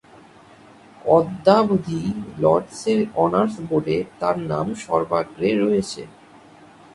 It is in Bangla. অদ্যাবধি লর্ডসের অনার্স বোর্ডে তার নাম সর্বাগ্রে রয়েছে।